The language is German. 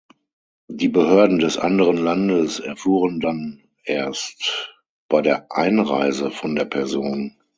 Die Behörden des anderen Landes erfuhren dann erst bei der Einreise von der Person.